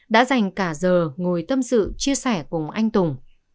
đã dành cả giờ ngồi tâm sự chia sẻ cùng anh tùng